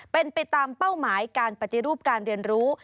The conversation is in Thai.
เป็นไปตามเป้าหมายการปฏิรูปการเรียนรู้